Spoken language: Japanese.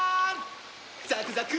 ザクザク！